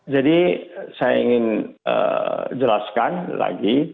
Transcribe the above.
jadi saya ingin jelaskan lagi